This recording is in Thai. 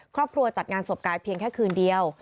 ครอบครัวจัดงานศพกายเพียงแค่กล้าก์เดียว